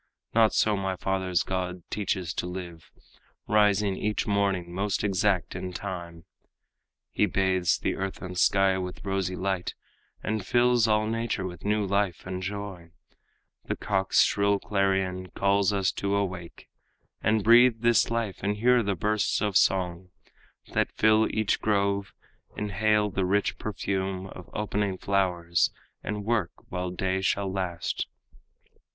Not so my father's god teaches to live. Rising each morning most exact in time, He bathes the earth and sky with rosy light And fills all nature with new life and joy; The cock's shrill clarion calls us to awake And breathe this life and hear the bursts of song That fill each grove, inhale the rich perfume Of opening flowers, and work while day shall last.